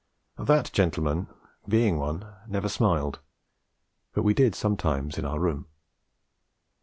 That gentleman, being one, never smiled; but we did, sometimes, in our room.